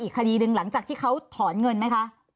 ก็คอยว่ากันอีกที